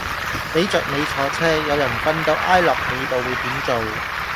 俾着你坐車有人瞓到挨落你度會點做